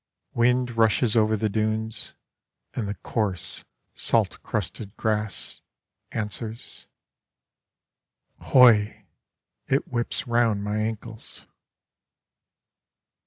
Wind rushesOver the dunes, And the coarse, salt crusted grassAnswers. Heu, It whips round my ankles!